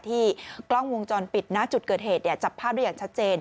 กล้องวงจรปิดนะจุดเกิดเหตุจับภาพได้อย่างชัดเจน